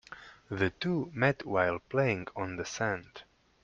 The two met while playing on the sand.